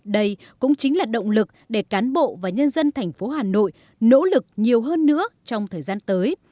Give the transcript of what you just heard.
đây cũng chính là động lực để cán bộ và nhân dân thành phố hà nội nỗ lực nhiều hơn nữa trong thời gian tới